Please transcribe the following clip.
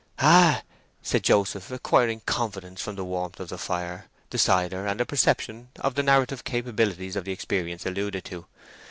"Ay," said Joseph, acquiring confidence from the warmth of the fire, the cider, and a perception of the narrative capabilities of the experience alluded to.